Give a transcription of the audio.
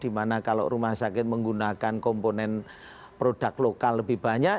dimana kalau rumah sakit menggunakan komponen produk lokal lebih banyak